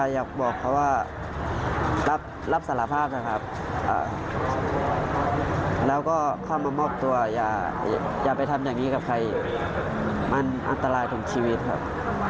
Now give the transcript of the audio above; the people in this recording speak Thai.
อยากบอกเขาว่ารับสารภาพนะครับแล้วก็เข้ามามอบตัวอย่าไปทำอย่างนี้กับใครมันอันตรายถึงชีวิตครับ